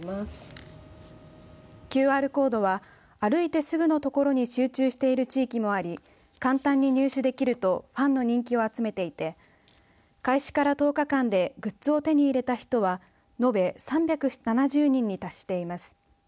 ＱＲコードは歩いてすぐの所に集中している地域もあり簡単に入手できるとファンの人気を集めていて開始から１０日間でグッズを手に入れた人は延べ３７０人に達しています。